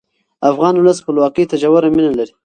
افغان ولس خپلواکۍ ته ژوره مینه لري.